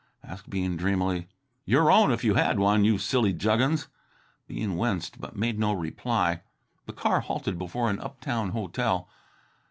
asked Bean dreamily. "Your own, if you had one, you silly juggins!" Bean winced, but made no reply. The car halted before an uptown hotel.